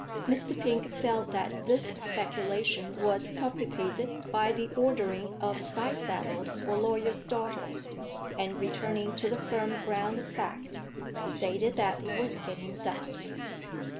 Mr. Pink felt that this speculation was complicated by the ordering of side saddles for lawyers' daughters, and, returning to the firm ground of fact, stated that it was getting dusk.